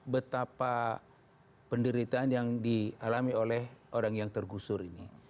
betapa penderitaan yang dialami oleh orang yang tergusur ini